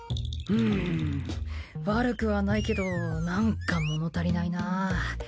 うん悪くはないけどなんか物足りないなぁ。